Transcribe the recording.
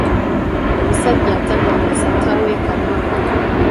Omusajja atannawasa taweeka mwana.